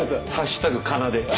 「＃かな」で。